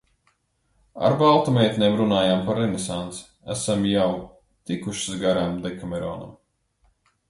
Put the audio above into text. Ar Baltu meitenēm runājam par renesansi, esam jau tikušas garām "Dekameronam".